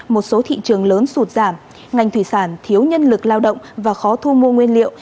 một số thị trường lớn sụt giảm ngành thủy sản thiếu nhân lực lao động và khó thu mua nguyên liệu